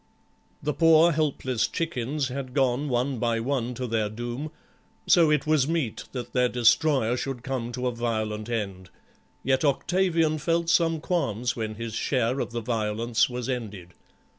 The poor helpless chickens had gone one by one to their doom, so it was meet that their destroyer should come to a violent end; yet Octavian felt some qualms when his share of the violence was ended.